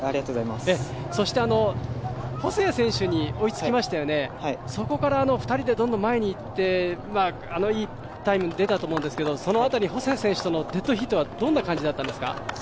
そして細谷選手に追いつきましたよね、そこからどんどん２人で前にいってあのいいタイム出たと思うんですけどその辺り、細谷選手とのデッドヒートはどんな感じだったんですか？